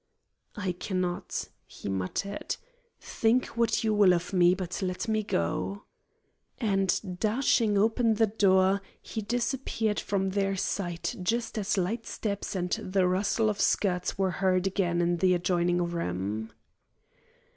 "I cannot," he muttered; "think what you will of me, but let me go." And dashing open the door he disappeared from their sight just as light steps and the rustle of skirts were heard again in the adjoining room.